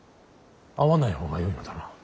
会わない方がよいのだな。